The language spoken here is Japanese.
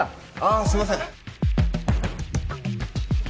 あすいません。